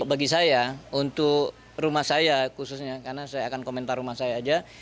bagi saya untuk rumah saya khususnya karena saya akan komentar rumah saya aja